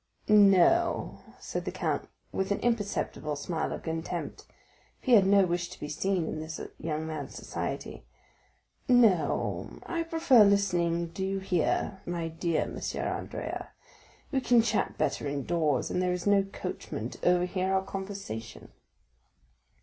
"No," said the count, with an imperceptible smile of contempt, for he had no wish to be seen in the young man's society,—"no; I prefer listening to you here, my dear M. Andrea; we can chat better in doors, and there is no coachman to overhear our conversation."